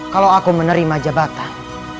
kalau aku menerima jabatan